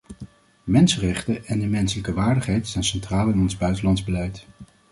Mensenrechten en de menselijke waardigheid staan centraal in ons buitenlands beleid.